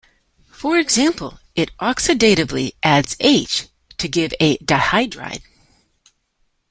For example, it oxidatively adds H to give a dihydride.